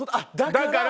だから。